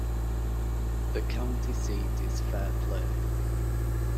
The county seat is Fairplay.